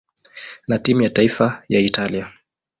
na timu ya taifa ya Italia.